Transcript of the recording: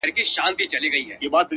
ښايستو کي خيالوري پيدا کيږي!